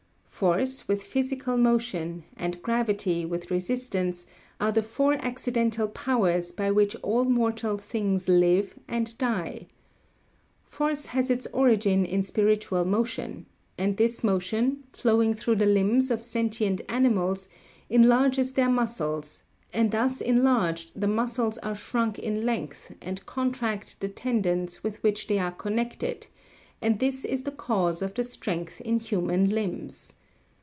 Force, with physical motion, and gravity, with resistance, are the four accidental powers by which all mortal things live and die. Force has its origin in spiritual motion, and this motion, flowing through the limbs of sentient animals, enlarges their muscles, and thus enlarged the muscles are shrunk in length and contract the tendons with which they are connected, and this is the cause of the strength in human limbs.